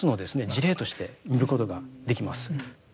事例として見ることができます。